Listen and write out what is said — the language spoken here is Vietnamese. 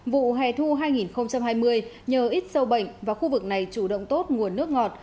vụ hè thu hai nghìn hai mươi nhờ ít sâu bệnh và khu vực này chủ động tốt nguồn nước ngọt